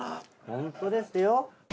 ホントですよ。